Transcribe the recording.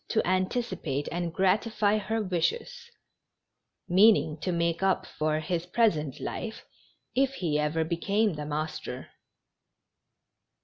to anticipate and gratify her wishes, meaning to make np for his present life if he ever became the master.